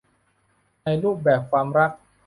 ในรูปแบบความรัก